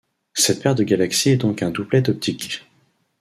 Cette paire de galaxie est donc un doublet optique.